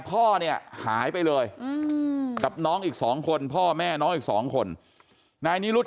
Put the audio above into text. พ่อเนี่ยหายไปเลยกับน้องอีก๒คนพ่อแม่น้องอีก๒คนนายนิรุธ